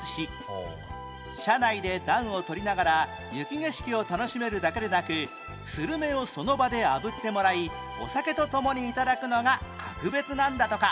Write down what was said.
車内で暖を取りながら雪景色を楽しめるだけでなくスルメをその場で炙ってもらいお酒と共に頂くのが格別なんだとか